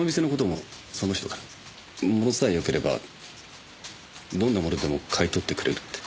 ものさえよければどんなものでも買い取ってくれるって。